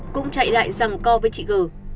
cũng chạy lại rằng co với chị gờ